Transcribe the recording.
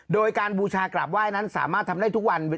โดยการบูชากราบไหว้นั้นสามารถทำได้ทุกวัน